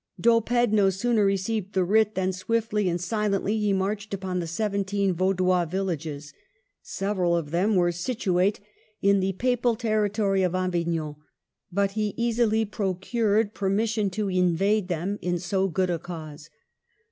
D'Oppede no sooner received the writ than swiftly and silently he marched upon the seven teen Vaudois villages. Several of them were DOWNFALL. 269 situate in the Papal territory of Avignon, but he easily procured permission to invade them in so good a cause.